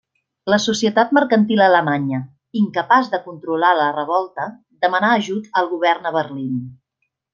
La societat mercantil alemanya, incapaç de controlar la revolta, demanà ajut al govern a Berlín.